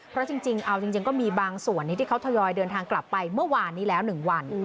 เพราะจริงเอาจริงก็มีบางส่วนที่เขาทยอยเดินทางกลับไปเมื่อวานนี้แล้ว๑วัน